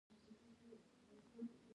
زما په شيانو به يې کار لاره.